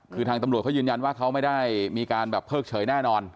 คือทางตำรวจเขายืนยันว่าเขาไม่ได้มีการแบบเพิกเฉยแน่นอน